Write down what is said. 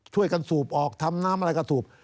ช่วยกันสูบออกทำน้ำอะไรก็สูบ